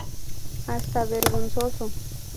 Hasta vergonzoso.